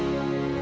tak ada baru lagi